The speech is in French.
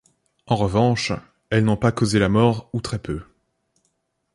En revanche, elles n’ont pas causé la mort ou très peu.